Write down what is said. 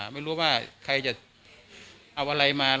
ไม่รู้ว่าใครจะเอาอะไรมา